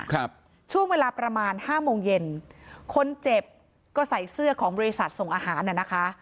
ครับช่วงเวลาประมาณห้าโมงเย็นคนเจ็บก็ใส่เสื้อของบริษัทส่งอาหารน่ะนะคะ